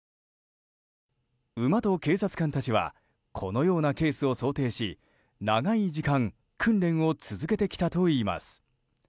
馬と警察官たちはこのようなケースを想定し長い時間訓練を続けてきたといいます。